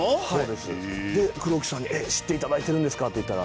で黒木さんに「知っていただいてるんですか？」って言ったら。